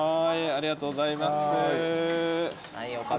ありがとうございます。